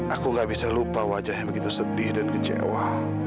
aku gak bisa lupa wajahnya begitu sedih dan kecewa